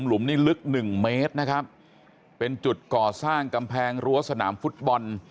นี่ลึกหนึ่งเมตรนะครับเป็นจุดก่อสร้างกำแพงรั้วสนามฟุตบอล